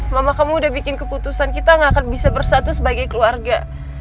mama kamu udah bikin keputusan kita gak akan bisa bersatu sebagai keluarga